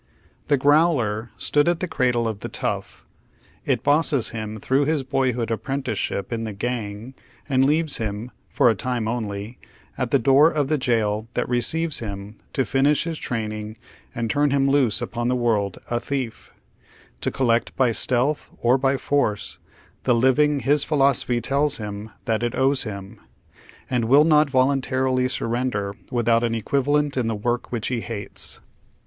ri'lHE " growler " stood at the cradle of the tongh. It ■* bosses him through his boyhood appreutieesliip in the "gang," and' leaves him, for a time only, at the door of the jail that receives him to finish his training and turn him loose upon the world a thief, to collect by stealth or by force the living his philosophy tella him that it owes him, and will not voluntarily surrender withont an equiva lent in the work which he hates.